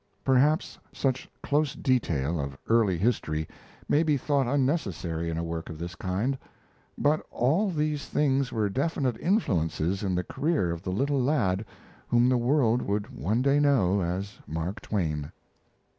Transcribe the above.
Perhaps such close detail of early history may be thought unnecessary in a work of this kind, but all these things were definite influences in the career of the little lad whom the world would one day know as Mark Twain.